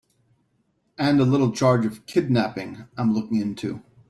And a little charge of kidnapping I'm looking into.